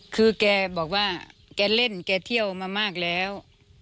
คือแกบอกว่าแกเล่นแกเที่ยวมามากแล้ว